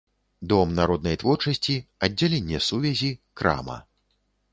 Дом народнай творчасці, аддзяленне сувязі, крама.